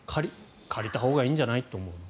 借りたほうがいいんじゃないと思うの？